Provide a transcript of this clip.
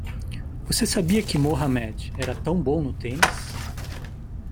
Você sabia que Muhammad era tão bom no tênis?